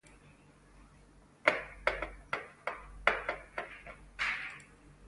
H. Includes West Germany.